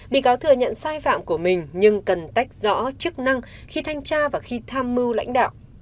bị cáo thừa nhận sai phạm của mình nhưng cần tách rõ chức năng khi thanh tra và khi tham mưu lãnh đạo